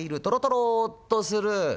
とろとろっとする。